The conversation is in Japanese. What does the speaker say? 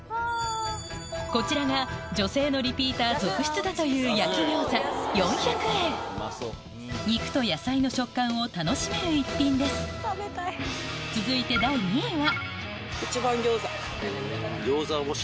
こちらが女性のリピーター続出だという肉と野菜の食感を楽しめる一品です続いて第２位は？